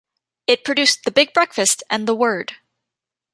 It produced "The Big Breakfast" and "The Word".